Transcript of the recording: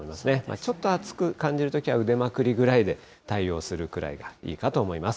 ちょっと暑く感じるときは、腕まくりぐらいで対応するぐらいがいいかと思います。